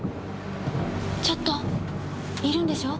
ちょっといるんでしょ。